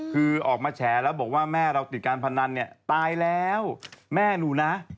คือออกมาแฉแล้วบอกว่าแม่เราติดการพนันเนี่ยตายแล้วแม่หนูนะ